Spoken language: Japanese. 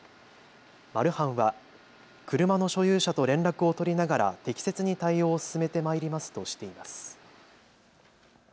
マルハンは、車の所有者と連絡を取りながら適切に対応を進めてまいりますとしています。